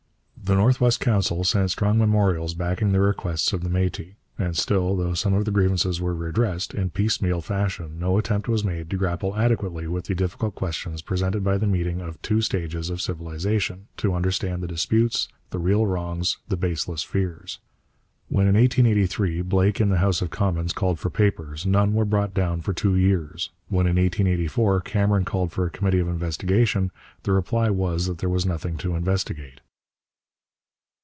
The North West Council sent strong memorials backing the requests of the Métis. And still, though some of the grievances were redressed, in piecemeal fashion, no attempt was made to grapple adequately with the difficult questions presented by the meeting of two stages of civilization, to understand the disputes, the real wrongs, the baseless fears. When in 1883 Blake in the House of Commons called for papers, none were brought down for two years; when in 1884 Cameron called for a committee of investigation, the reply was that there was nothing to investigate.